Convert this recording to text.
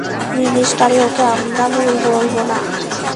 মিস্টিরিওকে আমরা ভুলব না!